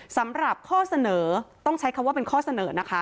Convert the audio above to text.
สำหรับข้อเสนอต้องใช้คำว่าเป็นข้อเสนอนะคะ